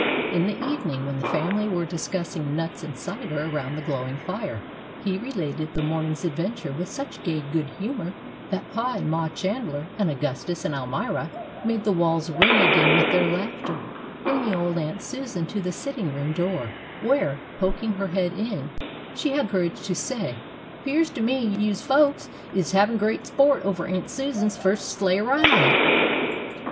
In the evening, when the family were discussing nuts and cider around the glowing fire, he related the morning's adventure with such gay good humor that Pa and Ma Chandler and Augustus and Almira made the walls ring again with their laughter, bringing old Aunt Susan to the sitting room door, where, poking her head in, she had courage to say, "'Pears to me yous folks is havin' great sport over Aunt Susan's fust sleigh ride."